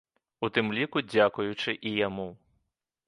У тым ліку дзякуючы і яму.